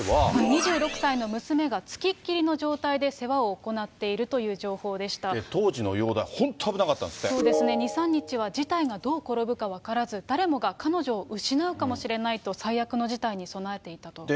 ２６歳の娘が付きっきりの状態で世話を行っているという情報当時の容体、本当危なかったそうですね、２、３日は事態がどう転ぶか分からず、誰もが彼女を失うかもしれないと最悪の事態に備えていたと。